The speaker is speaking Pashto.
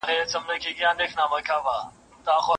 د زړه له درده مي دا غزل ولیکله.